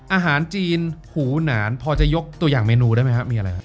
อาหารจีนหูหนานพอจะยกตัวอย่างเมนูได้ไหมครับมีอะไรครับ